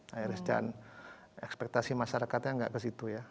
high risk dan ekspektasi masyarakatnya gak ke situ ya